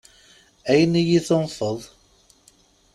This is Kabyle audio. Ayen i yi-tunfeḍ?